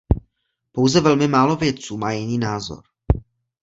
Pouze velmi málo vědců má jiný názor.